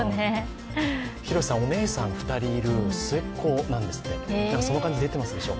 広瀬さん、お姉さん２人いる末っ子なんですってだからその感じ、出てますでしょ。